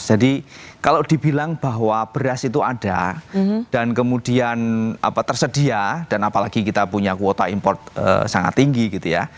jadi kalau dibilang bahwa beras itu ada dan kemudian tersedia dan apalagi kita punya kuota import sangat tinggi gitu ya